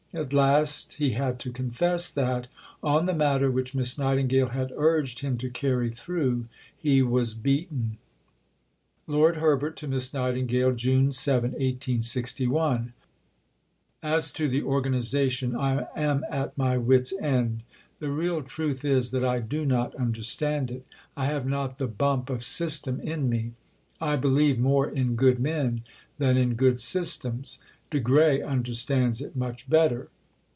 At last he had to confess that, on the matter which Miss Nightingale had urged him to carry through, he was beaten: (Lord Herbert to Miss Nightingale.) June 7 .... As to the organization I am at my wits' end. The real truth is that I do not understand it. I have not the bump of system in me. I believe more in good men than in good systems. De Grey understands it much better....